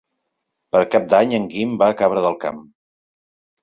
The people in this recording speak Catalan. Per Cap d'Any en Guim va a Cabra del Camp.